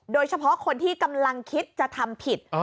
โดยเฉพาะคนที่กำลังคิดจะทำผิด